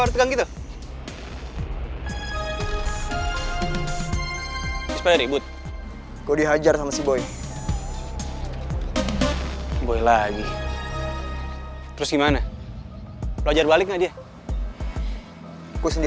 omg oh my gosh jadi ini rumahnya boy